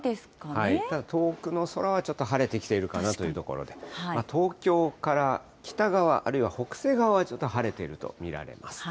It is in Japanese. ただ遠くの空は、ちょっと晴れてきているかなというところで、東京から北側、あるいは北西側はちょっと晴れていると見られます。